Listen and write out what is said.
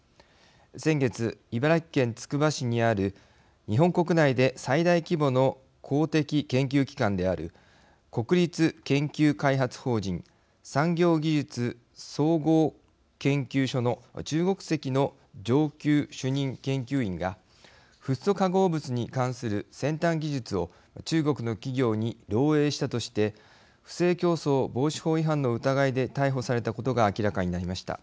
先月茨城県つくば市にある日本国内で最大規模の公的研究機関である国立研究開発法人産業技術総合研究所の中国籍の上級主任研究員がフッ素化合物に関する先端技術を中国の企業に漏えいしたとして不正競争防止法違反の疑いで逮捕されたことが明らかになりました。